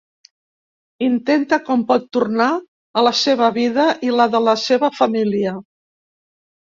Intenta com pot tornar a la seva vida i la de la seva família.